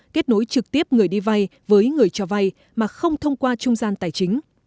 kết nối trực tiếp người đi vay với người cho vay mà không thông qua trung gian tài chính